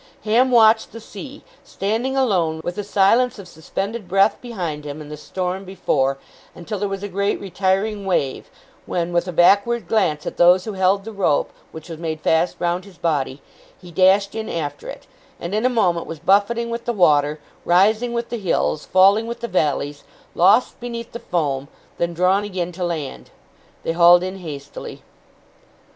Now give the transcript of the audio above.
Ham watched the sea, standing alone, with the silence of suspended breath behind him, and the storm before, until there was a great retiring wave, when, with a backward glance at those who held the rope which was made fast round his body, he dashed in after it, and in a moment was buffeting with the water; rising with the hills, falling with the valleys, lost beneath the foam; then drawn again to land. They hauled in hastily.